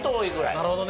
なるほどね。